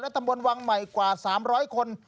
ตำบลวังใหม่กว่า๓๐๐คน